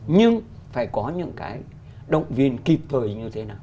nhưng phải có những cái động viên kịp thời như thế nào